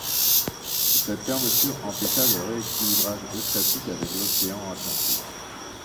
Cette fermeture empêcha le rééquilibrage eustatique avec l'océan Atlantique.